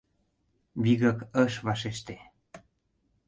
Вигак ыш вашеште.